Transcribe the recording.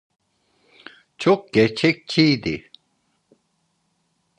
Çok gerçekçiydi.